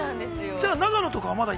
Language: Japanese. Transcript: ◆じゃあ長野とかはまだ？